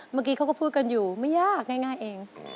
เมื่อกี้เขาก็พูดกันอยู่ไม่ยากง่ายเอง